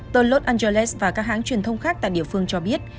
tờ los angeles và các hãng truyền thông khác tại địa phương cho biết